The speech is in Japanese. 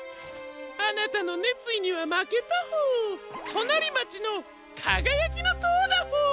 あなたのねついにはまけたホォー。となりまちの「かがやきのとう」だホォー。